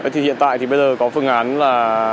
thì hiện tại thì bây giờ có phương án là